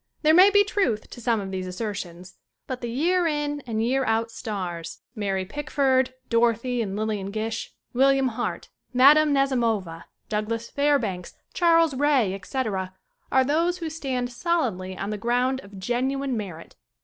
There may be truth to some of these assertions. But the year in and year out stars Mary Pickford, Dorothy and Lillian Gish, William Hart, Mine. Nazimova, Douglas Fairbanks, Charles Ray ,etc. are those who stand solidly on the ground of genuine merit.